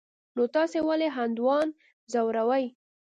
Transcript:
نو تاسې ولي هندوان ځوروئ.